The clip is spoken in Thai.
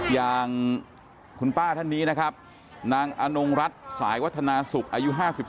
อย่างคุณป้าท่านนี้นะครับนางอนงรัฐสายวัฒนาศุกร์อายุ๕๓